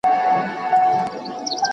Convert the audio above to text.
ادم خانه کټ دې نه ښکاري دالان کښې